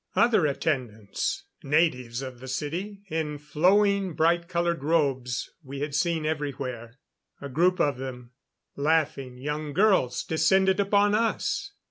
Other attendants. Natives of the city, in the flowing, bright colored robes we had seen everywhere. A group of them laughing young girls descended upon us.